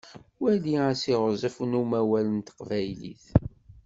Wali asiɣzef n umawal n teqbaylit.